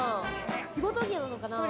仕事着なのかな？